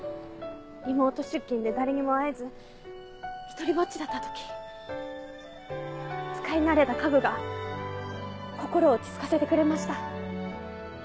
リモート出勤で誰にも会えず独りぼっちだった時使い慣れた家具が心を落ち着かせてくれました。